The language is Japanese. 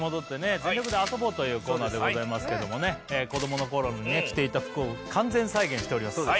全力で遊ぼうというコーナーでございますけど子供の頃にね着ていた服を完全再現しております